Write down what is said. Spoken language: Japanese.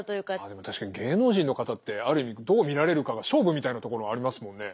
でも確かに芸能人の方ってある意味どう見られるかが勝負みたいなところはありますもんね。